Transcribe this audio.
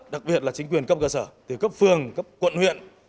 đặc biệt là chính quyền cấp cơ sở từ cấp phường cấp quận huyện